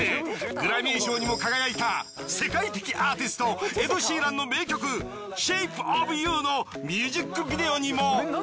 グラミー賞にも輝いた世界的アーティストエド・シーランの名曲『ＳｈａｐｅｏｆＹｏｕ』のミュージックビデオにも。